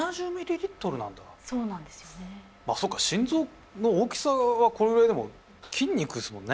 心臓の大きさはこれぐらいでも筋肉ですもんね。